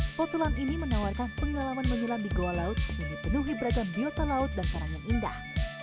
spot selam ini menawarkan pengalaman menyelam di goa laut yang dipenuhi beragam biota laut dan karang yang indah